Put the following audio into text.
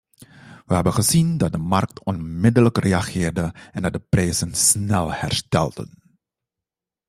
We hebben gezien dat de markt onmiddellijk reageerde en dat de prijzen snel herstelden.